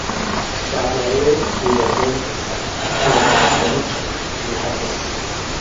በዐል ዕውር ኢልርኤ ወበዐል ዱምት ኢሐልብ